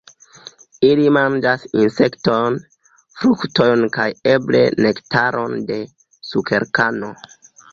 Ili manĝas insektojn, fruktojn kaj eble nektaron de sukerkano.